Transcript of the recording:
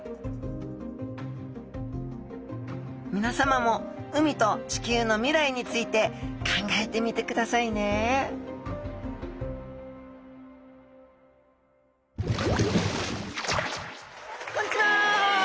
みなさまも海と地球の未来について考えてみてくださいねこんにちは！